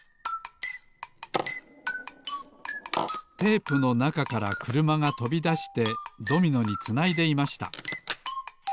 テープのなかからくるまがとびだしてドミノにつないでいました